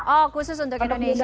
oh khusus untuk indonesia